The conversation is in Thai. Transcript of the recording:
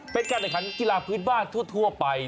เป็นการแข่งขันกีฬาพื้นบ้านทั่วไป